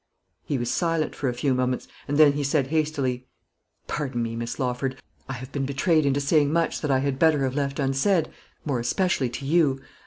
He was silent for a few moments, and then he said hastily, "Pardon me, Miss Lawford; I have been betrayed into saying much that I had better have left unsaid, more especially to you.